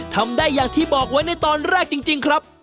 ทำได้อย่างที่บอกไว้ในตอนแรกจริงครับ